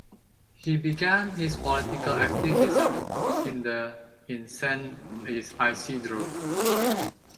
He began his political activism in the in San Isidro.